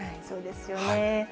そうですよね。